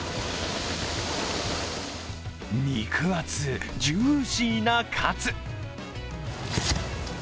肉厚、ジューシーなかつ。